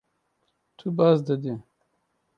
Tu baz didî.